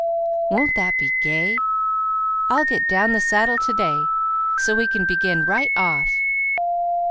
"Won't that be gay? I'll get down the saddle to day, so we can begin right off.